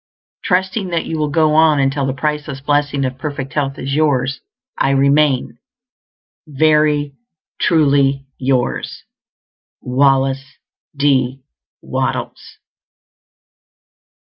Trusting that you will go on until the priceless blessing of perfect health is yours, I remain, Very truly yours, WALLACE D. WATTLES.